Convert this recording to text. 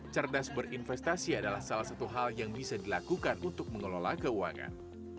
cerdas berinvestasi adalah salah satu hal yang bisa dilakukan untuk mengelola keuangan